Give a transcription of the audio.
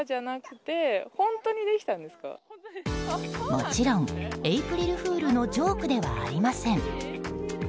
もちろん、エイプリルフールのジョークではありません。